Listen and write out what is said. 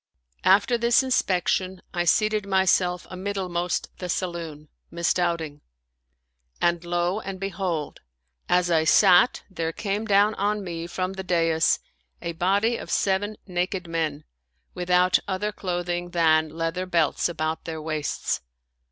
After this inspection I seated myself amiddlemost the saloon, mis doubting; and lo and behold! as I sat, there came down on me from the dais a body of seven naked men, without other clothing than leather belts about their waists.